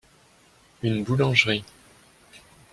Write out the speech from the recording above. une boulangerie.